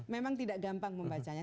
memang tidak gampang membacanya